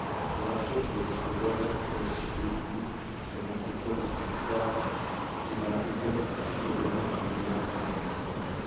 Гуащэр зэрыщыгъуэрэ илъэс щрикъуми, щыгъын фӏыцӏэр зыщихакъым: игъащӏэкӏэ щыгъуэну и мурадт абы.